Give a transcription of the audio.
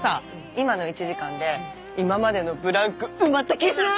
今の１時間で今までのブランク埋まった気しない？